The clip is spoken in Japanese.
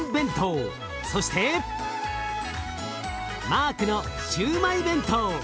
そしてマークのシューマイ弁当。